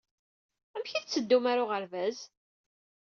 Amek ay tetteddum ɣer uɣerbaz?